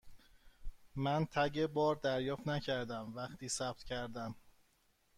من تگ بار دریافت نکردم وقتی ثبت کردم.